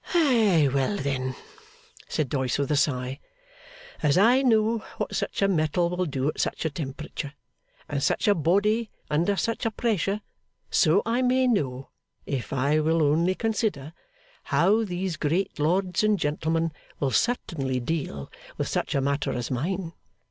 'Well then,' said Doyce, with a sigh, 'as I know what such a metal will do at such a temperature, and such a body under such a pressure, so I may know (if I will only consider), how these great lords and gentlemen will certainly deal with such a matter as mine.